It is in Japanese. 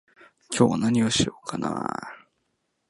今日は何をしようかな